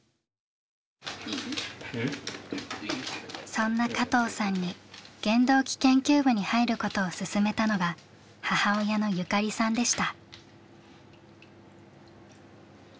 そんな加藤さんに原動機研究部に入ることをすすめたのが母親の友香里さんでした。